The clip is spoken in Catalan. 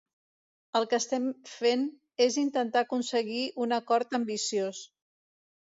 El que estem fent és intentar aconseguir un acord ambiciós.